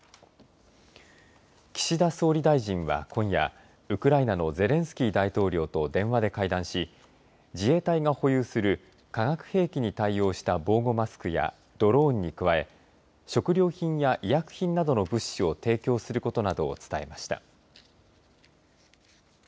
岸田総理大臣は今夜ウクライナのゼレンスキー大統領と電話で会談し自衛隊が保有する化学兵器に対応した防護マスクやドローンに加え食料品や医薬品などの物資を提供することなどを伝えました。